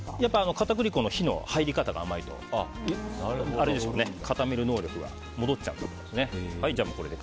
片栗粉の火の入り方が甘いと固める能力が戻っちゃうんですね。